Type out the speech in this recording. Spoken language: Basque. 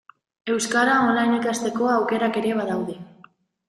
Euskara online ikasteko aukerak ere badaude.